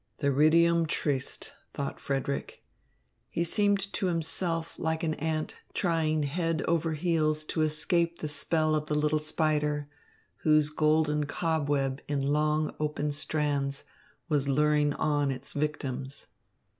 "Theridium triste," thought Frederick. He seemed to himself like an ant trying head over heels to escape the spell of the little spider, whose golden cobweb in long, open strands was luring on its victims.